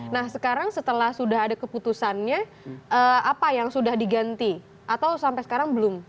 nah sekarang setelah sudah ada keputusannya apa yang sudah diganti atau sampai sekarang belum